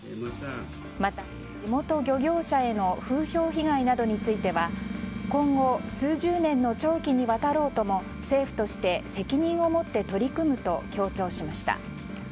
また、地元行業者への風評被害などについては今後、数十年の長期にわたろうとも政府として責任を持って取り組むと強調しました。